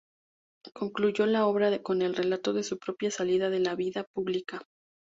Concluyó la obra con el relato de su propia salida de la vida pública.